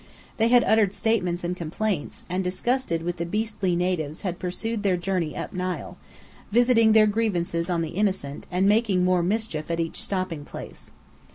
They had uttered statements and complaints; and disgusted with the "beastly natives" had pursued their journey up Nile, visiting their grievances on the innocent, and making more mischief at each stopping place.